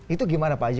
itu gimana pak haji